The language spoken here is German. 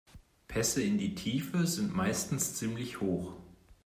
Pässe in die Tiefe sind meistens ziemlich hoch.